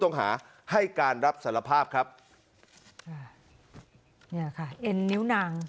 ต้องหาให้การรับสารภาพครับค่ะเนี่ยค่ะเอ็นนิ้วนาง